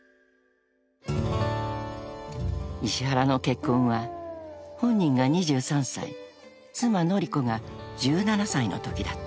［石原の結婚は本人が２３歳妻典子が１７歳のときだった］